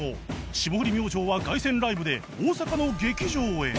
霜降り明星は凱旋ライブで大阪の劇場へ